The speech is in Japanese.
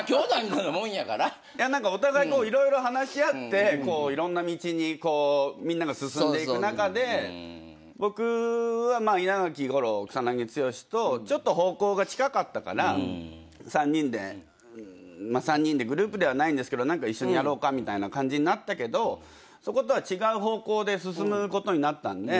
お互い色々話し合っていろんな道にみんなが進んでいく中で僕は稲垣吾郎草剛とちょっと方向が近かったから３人でグループではないんですけど何か一緒にやろうかみたいな感じになったけどそことは違う方向で進むことになったんで。